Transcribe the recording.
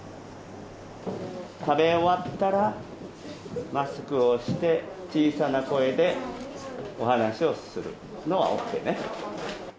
食べ終わったらマスクをして、小さな声でお話をするのはＯＫね。